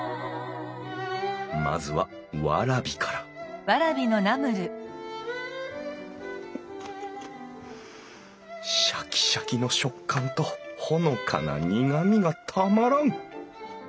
まずはワラビからシャキシャキの食感とほのかな苦味がたまらん！